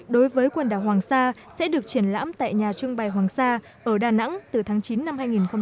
đối với quần đảo hoàng sa sẽ được triển lãm tại nhà trưng bày hoàng sa ở đà nẵng từ tháng chín năm hai nghìn một mươi chín